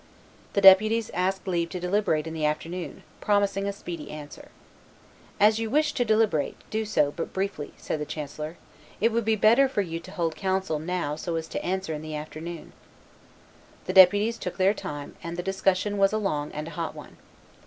The deputies asked leave to deliberate in the afternoon, promising a speedy answer. "As you wish to deliberate, do so, but briefly," said the chancellor; "it would be better for you to hold counsel now so as to answer in the afternoon." The deputies took their time; and the discussion was a long and a hot one.